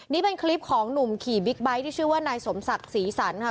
นี่เป็นคลิปของหนุ่มขี่บิ๊กไบท์ที่ชื่อว่านายสมศักดิ์ศรีสรรค่ะ